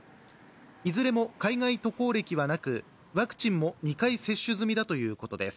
いずれも海外渡航歴はなくワクチンも２回接種済みだということです